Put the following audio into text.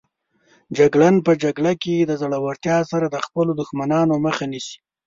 جګړن په جګړه کې د زړورتیا سره د خپلو دښمنانو مخه نیسي.